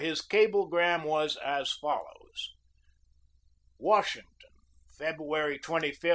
His cablegram was as follows: "WASHINGTON, February 25, '98.